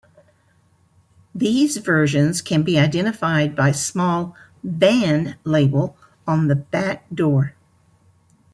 These versions can be identified by small "Van" label on the back door.